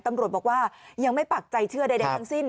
ตำรวจบอกว่ายังไม่ปักใจเชื่อใดทั้งสิ้น